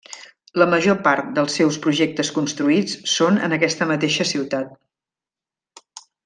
La major part dels seus projectes construïts són en aquesta mateixa ciutat.